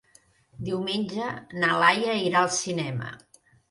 Diumenge na Laia irà al cinema.